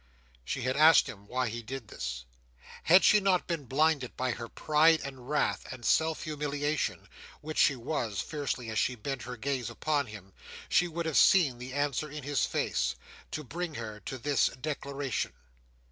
She had asked him why he did this. Had she not been blinded by her pride and wrath, and self humiliation,—which she was, fiercely as she bent her gaze upon him,—she would have seen the answer in his face. To bring her to this declaration.